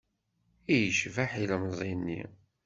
I yecbeḥ ilemẓi-nni!